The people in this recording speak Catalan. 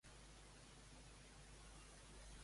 A quins mitjans ha treballat Elena?